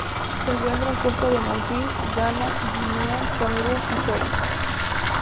Se encuentra en Costa de Marfil, Ghana, Guinea, Camerún y Togo.